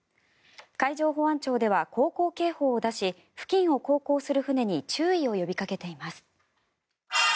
海上保安庁では航行警報を出し付近を航行する船に注意を呼びかけています。